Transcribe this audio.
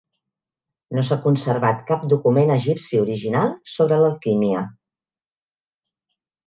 No s'ha conservat cap document egipci original sobre l'alquímia